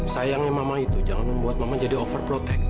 sayangnya mama itu jangan membuat mama jadi overprotective ma